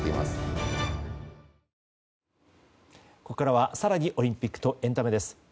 ここからは更にオリンピックとエンタメです。